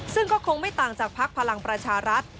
ซึ่งก็คงไม่ต่างจากภักดิ์พลังประชารัฐ